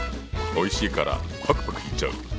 おいしいからパクパクいっちゃう！